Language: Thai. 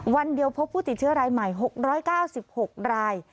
วันเดียวพบผู้ติดเชื้อรายใหม่๖๙๖ราย